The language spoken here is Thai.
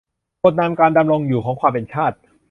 บทนำ การดำรงอยู่ของความเป็นชาติ